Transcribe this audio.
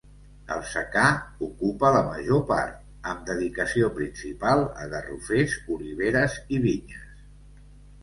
El secà ocupa la major part, amb dedicació principal a garrofers, oliveres i vinyes.